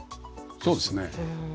そうですね。